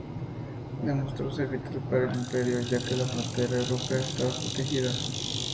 Demostró ser vital para el imperio, ya que la frontera europea estaba protegida.